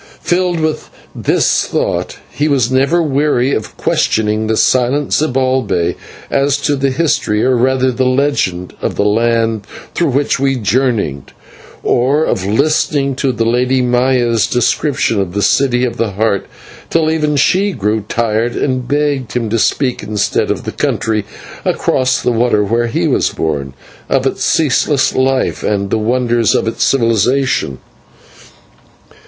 Filled with this thought he was never weary of questioning the silent Zibalbay as to the history, or rather the legend, of the land through which we journeyed, or of listening to the Lady Maya's descriptions of the City of the Heart, till even she grew tired, and begged him to speak, instead, of the country across the water where he was born, of its ceaseless busy life, and the wonders of civilisation.